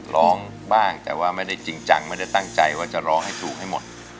ร้องบ้างแต่ว่าไม่ได้จริงจังไม่ได้ตั้งใจว่าจะร้องให้ถูกให้หมด